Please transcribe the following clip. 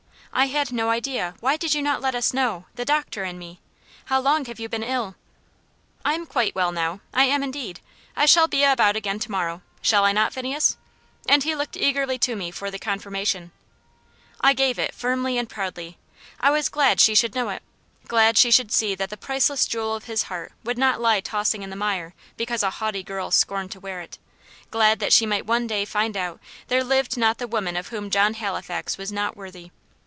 "I had no idea why did you not let us know the doctor and me? How long have you been ill?" "I am quite well now I am indeed. I shall be about again tomorrow, shall I not, Phineas?" and he looked eagerly to me for confirmation. I gave it, firmly and proudly. I was glad she should know it glad she should see that the priceless jewel of his heart would not lie tossing in the mire because a haughty girl scorned to wear it. Glad that she might one day find out there lived not the woman of whom John Halifax was not worthy.